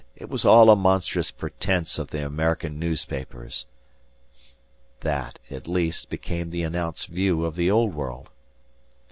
It was all a monstrous pretense of the American newspapers. That, at least, became the announced view of the Old World.